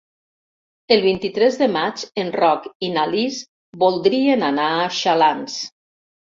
El vint-i-tres de maig en Roc i na Lis voldrien anar a Xalans.